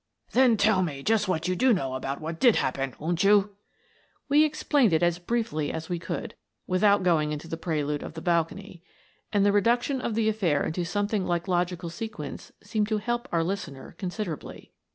"Then tell me just what you do know about what did happen, won't you ?" We explained it as briefly as we could — without going into the prelude of the balcony — and the re duction of the affair into something like logical sequence seemed to help our listener considerably.